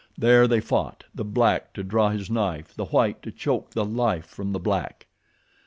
There they fought, the black to draw his knife, the white to choke the life from the black.